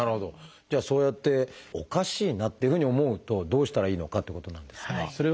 じゃあそうやっておかしいなっていうふうに思うとどうしたらいいのかってことなんですが。